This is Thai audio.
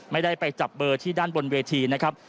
ไม่ได้ไปจับเบอร์ที่ด้านบนเวทีนะครับ